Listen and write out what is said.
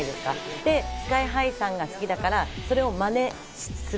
で、ＳＫＹ−ＨＩさんが好きだから、それをマネする。